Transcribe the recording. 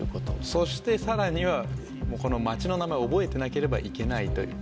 そしてさらにはこの町の名前を覚えてなければいけないということ。